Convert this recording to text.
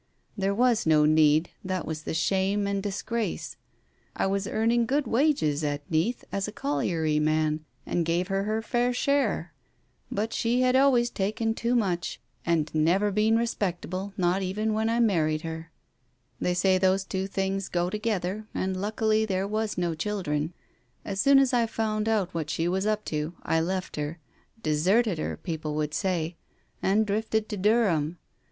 There was no need, that was the shame and disgrace. I was earning good wages at Neath as a colliery man, and gave her her fair share. But she had always taken too much and never been Digitized by Google THE WITNESS 191 respectable, not even when I married her. They say those two things go together, and luckily there were no children. As soon as I found out what she was up to, I left her, deserted her, people would say, and drifted to Durham.